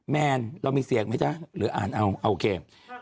แมนเรามีเสียงไหมจ๊ะหรืออ่านเอาโอเค